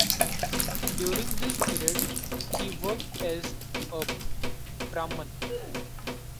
During this period he worked as a barman.